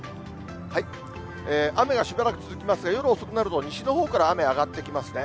雨がしばらく続きますが、夜遅くなると、西のほうから雨、あがってきますね。